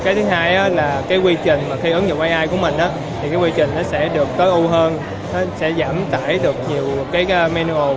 cái thứ hai là quy trình khi ứng dụng ai của mình sẽ được tối ưu hơn sẽ giảm tải được nhiều manual